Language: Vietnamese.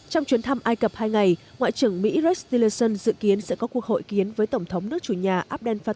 trong chuyến thăm ai cập hai ngày ngoại trưởng mỹ rex tillerson dự kiến sẽ có cuộc hội kiến với tổng thống nước chủ nhà